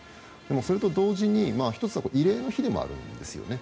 それと同時に１つ慰霊の日でもあるんですね。